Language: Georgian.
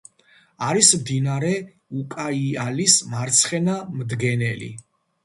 არის მდინარე უკაიალის მარცხენა მდგენელი.